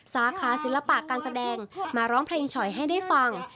สาขาศิลปะการแสดงมาร้องเพลงฉ่อยให้ได้ฟัง